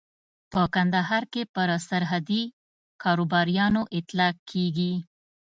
په کندهار کې پر سرحدي کاروباريانو اطلاق کېږي.